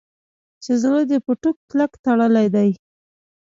چې زړه دې په ټوک کلک تړلی دی.